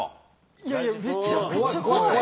いやいやめちゃくちゃ怖い。